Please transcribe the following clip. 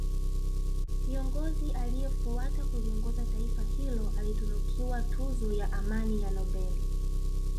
kiongozi aliyefuata kuliongoza taifa hilo alitunukiwa tuzo ya amani ya nobeli